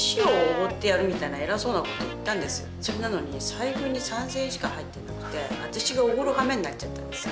それなのに財布に３，０００円しか入ってなくて私がおごるはめになっちゃったんですよ。